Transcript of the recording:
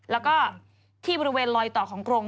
แล้วก็ที่บริเวณลอยต่อของกรง